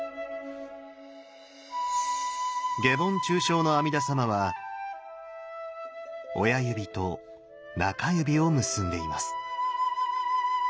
下品中生の阿弥陀様は親指と中指を結んでいます。